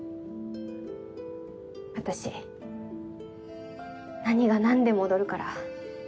私何が何でも踊るから。